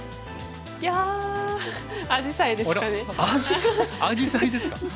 いやアジサイですかね。